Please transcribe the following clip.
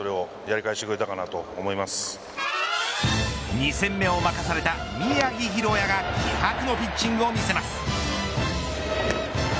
２戦目を任された宮城大弥が気迫のピッチングを見せます。